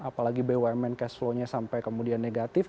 apalagi bumn cash flow nya sampai kemudian negatif